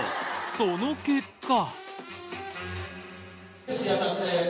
その結果。